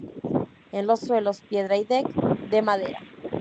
En los suelos piedra y deck de madera.